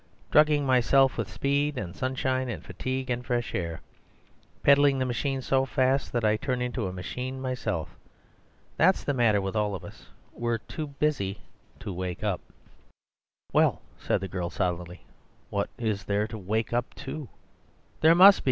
Drugging myself with speed, and sunshine, and fatigue, and fresh air. Pedalling the machine so fast that I turn into a machine myself. That's the matter with all of us. We're too busy to wake up." "Well," said the girl solidly, "what is there to wake up to?" "There must be!"